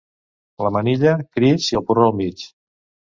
La manilla, crits i el porró al mig.